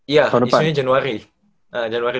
iya isunya januari januari dua puluh satu